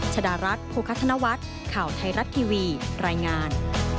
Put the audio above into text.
ชดารัฐโภคธนวัฒน์ข่าวไทยรัฐทีวีรายงาน